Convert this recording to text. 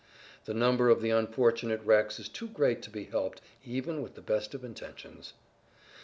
The number of the unfortunate wrecks is too great to be helped even with the best of intentions.